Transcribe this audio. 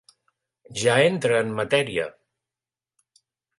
Ja entra en matèria.